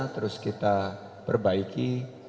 terus kita perbaiki